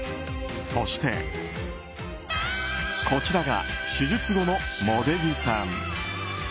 そして、こちらが手術後の茂出木さん。